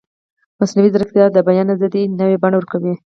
مصنوعي ځیرکتیا د بیان ازادي نوې بڼه ورکوي.